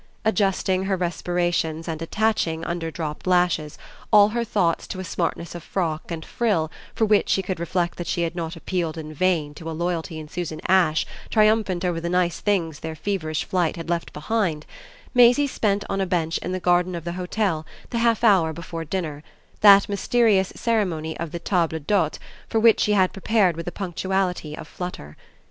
Adjusting her respirations and attaching, under dropped lashes, all her thoughts to a smartness of frock and frill for which she could reflect that she had not appealed in vain to a loyalty in Susan Ash triumphant over the nice things their feverish flight had left behind, Maisie spent on a bench in the garden of the hotel the half hour before dinner, that mysterious ceremony of the table d'hôte for which she had prepared with a punctuality of flutter.